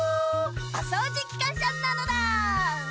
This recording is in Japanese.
おそうじきかんしゃなのだ！